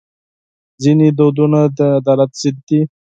ځینې دودونه د عدالت ضد دي.